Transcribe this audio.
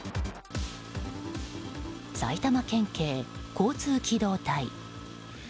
埼玉県警交通機動隊。